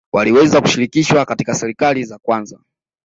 Waliweza kushirikishwa katika serikali za kwanza